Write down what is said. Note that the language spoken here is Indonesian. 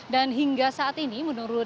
dan hingga saat ini menurut